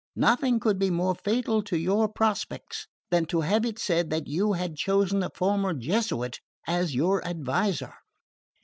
Nothing could be more fatal to your prospects than to have it said that you had chosen a former Jesuit as your advisor.